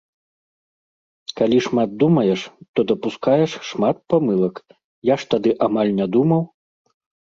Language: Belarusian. Калі шмат думаеш, то дапускаеш шмат памылак, я ж тады амаль не думаў.